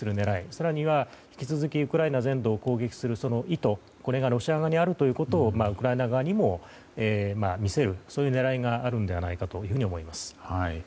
更には、引き続きウクライナ全土を攻撃する意図これがロシア側にあるということを、ウクライナ側にも見せる狙いがあるのではないかと思います。